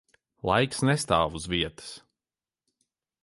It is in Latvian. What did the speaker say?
Laiks nestāv uz vietas.